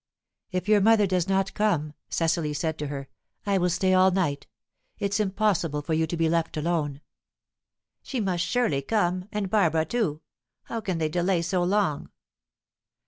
"If your mother does not come," Cecily said to her, "I will stay all night. It's impossible for you to be left alone." "She must surely come; and Barbara too. How can they delay so long?"